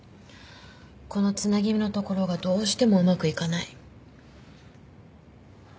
このつなぎ目の所がどうしてもうまくいかない。